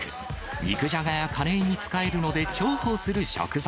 肉じゃがやカレーに使えるので、重宝する食材。